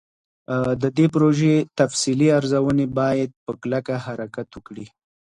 د دې پروژې تفصیلي ارزوني باید په کلکه حرکت وکړي.